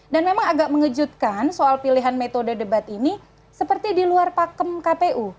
dan memang agak mengejutkan soal pilihan metode debat ini seperti di luar pakem kpu